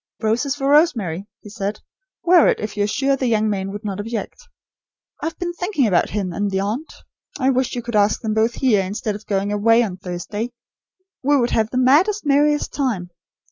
"Roses for Rosemary," he said. "Wear it, if you are sure the young man would not object. I have been thinking about him and the aunt. I wish you could ask them both here, instead of going away on Thursday. We would have the 'maddest, merriest time!'